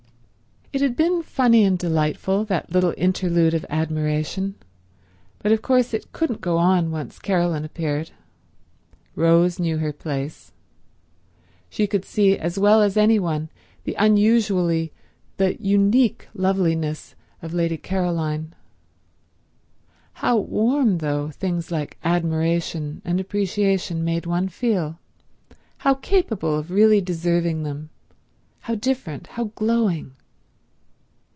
It has been funny and delightful, that little interlude of admiration, but of course it couldn't go on once Caroline appeared. Rose knew her place. She could see as well as any one the unusually, the unique loveliness of Lady Caroline. How warm, though, things like admiration and appreciation made one feel, how capable of really deserving them, how different, how glowing.